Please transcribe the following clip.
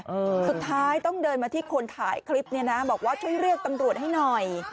สุดท้ายต้องเดินมาที่คนถ่ายคลิปเนี้ยนะบอกว่าช่วยเรียกตำรวจให้หน่อย